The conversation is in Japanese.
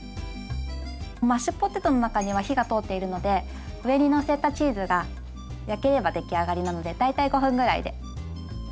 マッシュポテトの中には火が通っているので上にのせたチーズが焼ければ出来上がりなので大体５分ぐらいで。